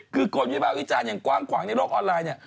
คือโครมริเวิลวิจารณ์ยังกว้างในโลกออนลายย์